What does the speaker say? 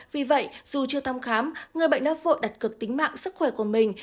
vì vậy dù chưa thăm khám người bệnh đã vội đặt cược tính mạng sức khỏe của mình